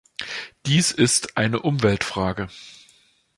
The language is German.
Dies ist eine Umweltfrage.